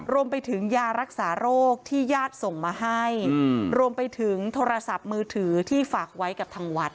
รวมไปถึงยารักษาโรคที่ญาติส่งมาให้รวมไปถึงโทรศัพท์มือถือที่ฝากไว้กับทางวัด